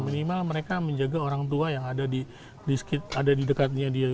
minimal mereka menjaga orang tua yang ada di dekatnya dia